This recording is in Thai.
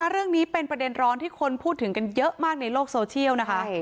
เรื่องนี้เป็นประเด็นร้อนที่คนพูดถึงกันเยอะมากในโลกโซเชียลนะคะ